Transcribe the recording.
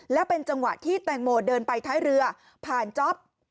และเป็นจังหวะที่แตงโมเดินไปท้ายเรือผ่านจ๊อป